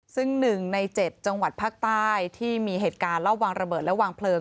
ซึ่งหนึ่งในเจ็ดจังหวัดภาคใต้ที่มีเหตุการณ์ระบบระเบิดและวางเพลิง